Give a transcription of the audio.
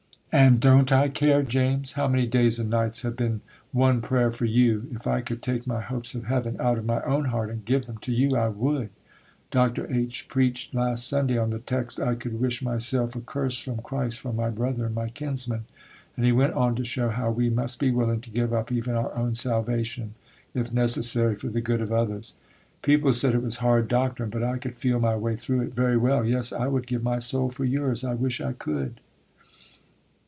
'And don't I care, James? How many days and nights have been one prayer for you! If I could take my hopes of heaven out of my own heart and give them to you, I would. Dr. H. preached last Sunday on the text, "I could wish myself accursed from Christ for my brethren, my kinsmen;" and he went on to show how we must be willing to give up even our own salvation, if necessary, for the good of others. People said it was hard doctrine, but I could feel my way through it very well. Yes, I would give my soul for yours; I wish I could.